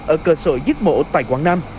ở cơ sở giết mổ tại quảng nam